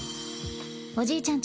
おじいちゃん